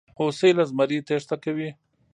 هوسۍ له زمري تېښته کوي.